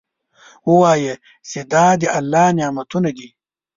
ووایه چې دا د الله نعمتونه دي.